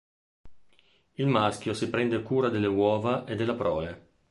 Il maschio si prende cura delle uova e della prole.